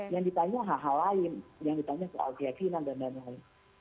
yang ditanya hal hal lain yang ditanya soal keyakinan dan lain lain